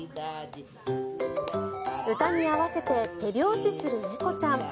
歌に合わせて手拍子する猫ちゃん。